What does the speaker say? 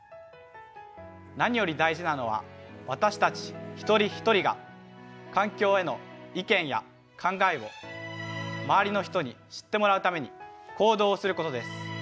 何より大事なのは私たち一人一人が環境への意見や考えを周りの人に知ってもらうために行動することです。